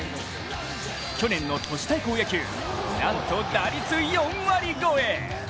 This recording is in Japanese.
去年の都市対抗野球、なんと打率４割超え。